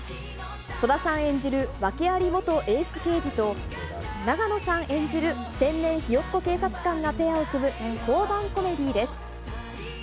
戸田さん演じる、訳あり元エース刑事と、永野さん演じる、天然ひよっこ警察官がペアを組む交番コメディーです。